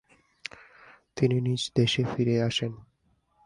তিনি নিজ দেশে ফিরে আসেন।